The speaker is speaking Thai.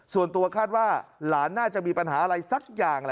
ส่วนตัวคาดว่าหลานน่าจะมีปัญหาอะไรสักอย่าง